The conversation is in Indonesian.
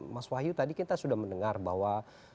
mas wahyu tadi kita sudah mendengar bahwa